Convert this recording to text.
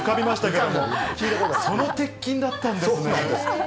その鉄琴だったんですね。